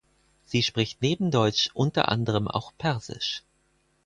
Sie spricht neben Deutsch unter anderem auch Persisch.